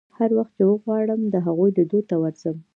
هر وخت چې وغواړم د هغو لیدو ته ورځم.